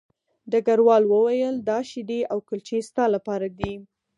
ډګروال وویل دا شیدې او کلچې ستا لپاره دي